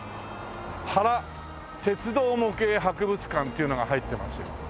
「原鉄道模型博物館」っていうのが入ってますよ。